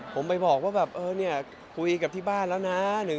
ผมไปบอกว่าแบบเออเนี่ยคุยกับที่บ้านแล้วนะ